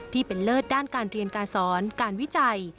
ที่เป็นเลิศด้านการเรียนการสอนการวิจัย